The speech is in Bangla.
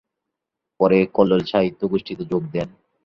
পরে "কল্লোল সাহিত্য গোষ্ঠী" তে যোগ দেন।